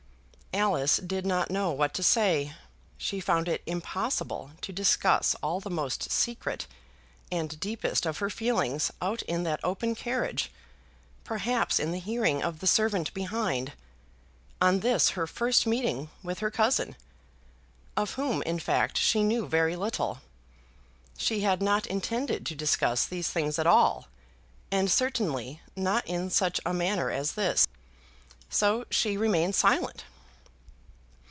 Alice did not know what to say. She found it impossible to discuss all the most secret and deepest of her feelings out in that open carriage, perhaps in the hearing of the servant behind, on this her first meeting with her cousin, of whom, in fact, she knew very little. She had not intended to discuss these things at all, and certainly not in such a manner as this. So she remained silent.